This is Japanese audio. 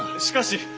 しかし。